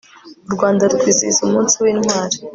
u rwanda rwizihiza umunsi w'intwari